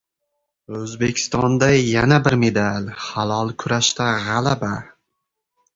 O‘zbekistonda yana bir medal: Halol kurashda g‘alaba!